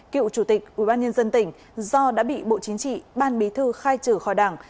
cựu chủ tịch ủy ban nhân dân tỉnh do đã bị bộ chính trị ban bí thư khai trừ khỏi đảng